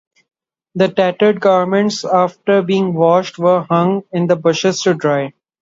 The tattered garments after being washed were hung in the bushes to dry.